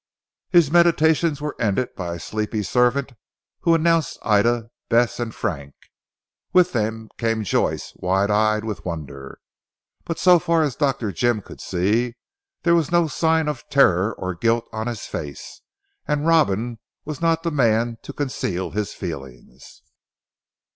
His meditations were ended by a sleepy servant who announced Ida, Bess and Frank. With them came Joyce wide eyed with wonder; but so far as Dr. Jim could see there was no sign of terror or of guilt on his face, and Robin was not the man to conceal his feelings.